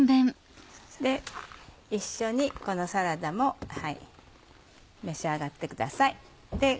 一緒にこのサラダも召し上がってください。